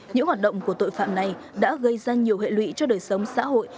những hoạt động của tội phạm này đã gây ra nhiều hệ lụy cho đời sống xã hội